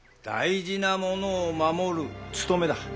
大事なものを守るつとめだ。